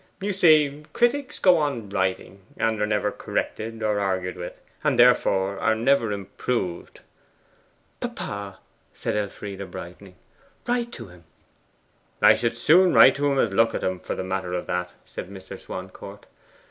'You see, critics go on writing, and are never corrected or argued with, and therefore are never improved.' 'Papa,' said Elfride brightening, 'write to him!' 'I would as soon write to him as look at him, for the matter of that,' said Mr. Swancourt.